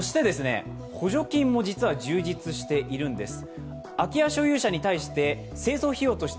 補助金も実は充実しているんです。